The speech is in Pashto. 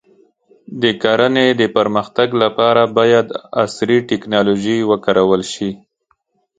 د کرنې د پرمختګ لپاره باید عصري ټکنالوژي وکارول شي.